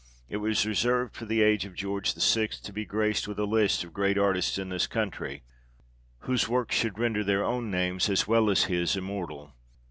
It was reserved for the age of George VI. to be graced with a list of great artists in this country, whose works should render their own names as well as his immortal.